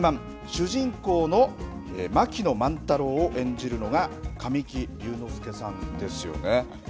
主人公の牧野万太郎を演じるのが、神木隆之介さんですよね。